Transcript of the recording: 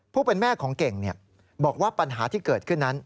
ผู้เป็นแม่ของเก่งบอกว่าปัญหาที่เกิดขึ้นนั้น